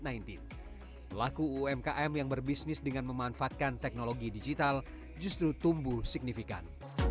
pelaku umkm yang berbisnis dengan memanfaatkan teknologi digital justru tumbuh signifikan